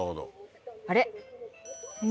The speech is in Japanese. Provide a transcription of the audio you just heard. あれ？